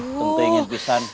tentu ingin pisah